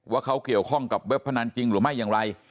ว่าเขาเกี่ยวข้องกับเว็บพนันจริงหรือไม่อย่างไร